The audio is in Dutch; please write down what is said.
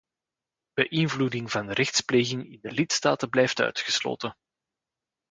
Beïnvloeding van de rechtspleging in de lidstaten blijft uitgesloten.